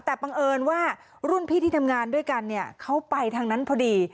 แต่บังเอิญว่ารุ่นพี่ที่ทำงานด้วยกันเนี่ยเขาไปทางนั้นพอดี